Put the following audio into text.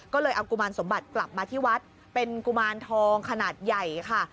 ก็เลยเอากุมารสมบัติกลับมาที่วัดเป็นกุมารทองขนาดใหญ่ค่ะ